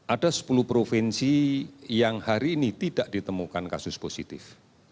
ada sepuluh provinsi yang hari ini tidak ditemukan kasus positif